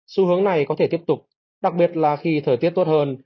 xu hướng này có thể tiếp tục đặc biệt là khi thời tiết tốt hơn